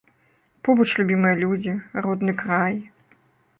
Побач любімыя людзі, родны край.